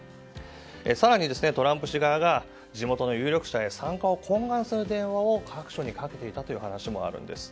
更に、トランプ氏側が地元の有力者へ参加を懇願する電話を各所にかけていたという話もあるんです。